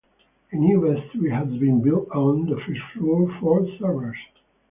A new vestry has been built on the first floor for servers.